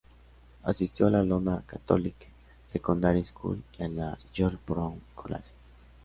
Asistió a la Iona Catholic Secondary School y a la George Brown College.